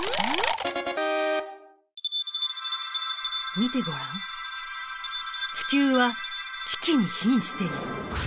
見てごらん地球は危機にひんしている。